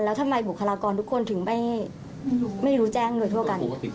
แล้วทำไมบุคลากรทุกคนถึงไม่รู้แจ้งโดยทั่วกัน